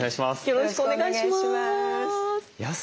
よろしくお願いします。